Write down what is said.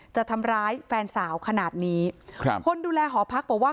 จะทำร้ายแฟนสาวขนาดนี้ครับคนดูแลหอพักบอกว่า